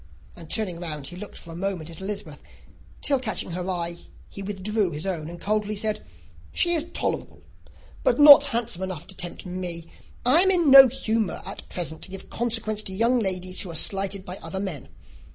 and turning round, he looked for a moment at Elizabeth, till, catching her eye, he withdrew his own, and coldly said, "She is tolerable: but not handsome enough to tempt me; and I am in no humour at present to give consequence to young ladies who are slighted by other men.